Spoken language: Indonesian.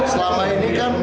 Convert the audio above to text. selama ini kan